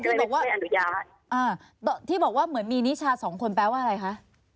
เดี๋ยวนะที่บอกว่าเหมือนมิชาสองคนแปลว่าอะไรคะ